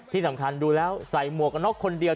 ที่สำคัญดูแล้วใส่หมวกกันน็อกคนเดียว